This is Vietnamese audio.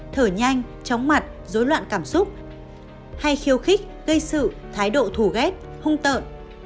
thở nhanh chóng mặt dối loạn cảm xúc hay khiêu khích gây sự thái độ thù ghét hung tợn